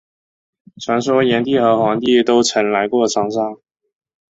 传说炎帝和黄帝都曾来过长沙。